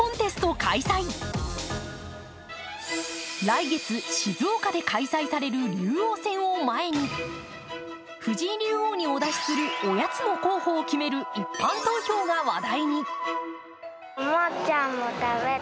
来月、静岡で開催される竜王戦を前に藤井竜王にお出しするおやつの候補を決める一般投票が話題に。